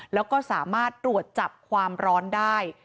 แล้วก็สามารถตรวจจับความร้อนได้